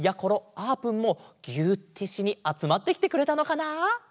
あーぷんもぎゅーってしにあつまってきてくれたのかな？